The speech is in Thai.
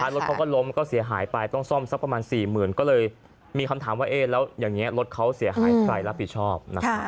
รถเขาก็ล้มก็เสียหายไปต้องซ่อมสักประมาณ๔๐๐๐ก็เลยมีคำถามว่าเอ๊ะแล้วอย่างนี้รถเขาเสียหายใครรับผิดชอบ